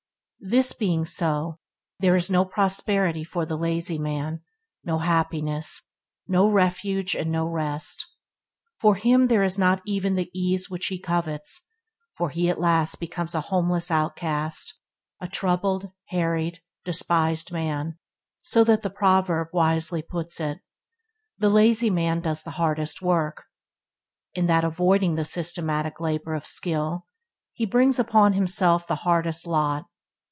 This being so, there is no prosperity for the lazy man, no happiness, no refuge and no rest; for him, there is not even the ease which he covets, for he at last becomes a homeless outcast, a troubled, harried, despised man, so that the proverb wisely puts it that "The lazy man does the hardest work", in that, avoiding the systematic labour of skill, he brings upon himself the hardest lot.